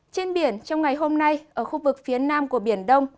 trên biển trong ngày hôm nay ở khu vực phía nam của biển đông